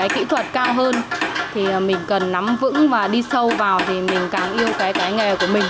kỹ thuật cao hơn thì mình cần nắm vững và đi sâu vào thì mình càng yêu cái nghề của mình